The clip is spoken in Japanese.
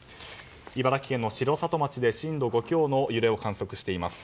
茨城県の城里町で震度５強の揺れを観測しています。